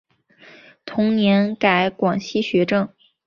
同年改广西学政。